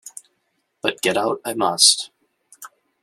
But get out I must.